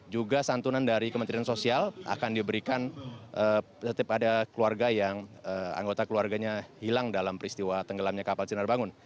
juga santunan dari kementerian sosial akan diberikan setiap ada keluarga yang anggota keluarganya hilang dalam peristiwa tenggelamnya kapal sinar bangun